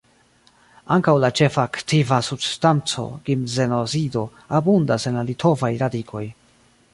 Ankaŭ la ĉefa aktiva substanco, ginzenozido, abundas en la litovaj radikoj.